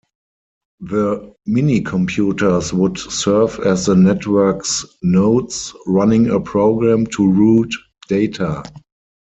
The minicomputers would serve as the network's nodes, running a program to route data.